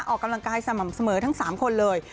ออกกำลังกายสม่ำเสมอทั้ง๓คนเลย